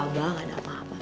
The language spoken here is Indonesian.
enggak ada apa apa